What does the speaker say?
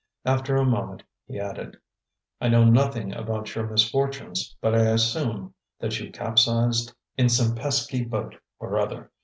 After a moment he added: "I know nothing about your misfortunes, but I assume that you capsized in some pesky boat or other.